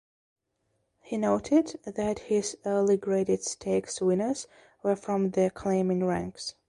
He noted that his early graded stakes winners were from the claiming ranks.